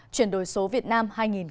chuyển đổi số việt nam hai nghìn hai mươi